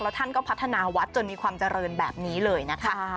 ท่านก็พัฒนาวัดจนมีความเจริญแบบนี้เลยนะคะ